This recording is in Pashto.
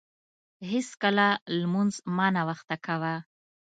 هیڅکله لمونځ مه ناوخته کاوه.